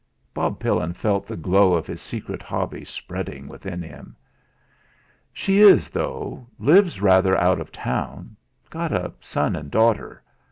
Bob Pillin felt the glow of his secret hobby spreading within him. "She is, though lives rather out of town; got a son and daughter.